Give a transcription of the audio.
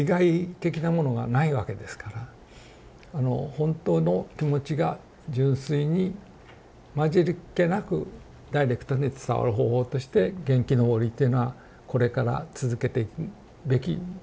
本当の気持ちが純粋に混じりけなくダイレクトに伝わる方法として元気のぼりというのはこれから続けていくべきことかなと。